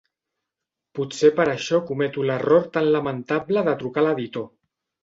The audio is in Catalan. Potser per això cometo l'error tan lamentable de trucar l'editor.